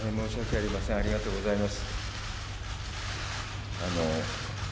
ありがとうございます。